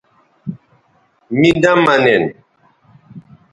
می نہ منین